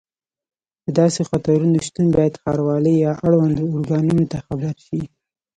د داسې خطرونو شتون باید ښاروالۍ یا اړوندو ارګانونو ته خبر شي.